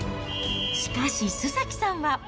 しかし、須崎さんは。